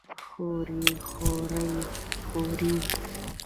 خوري خورۍ خورې؟